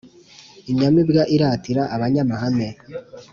inyamibwa aratira abanyamahame